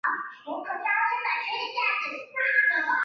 色码标示的电阻其单位取欧姆。